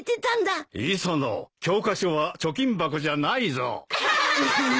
磯野教科書は貯金箱じゃないぞ。